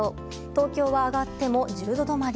東京は上がっても１０度止まり。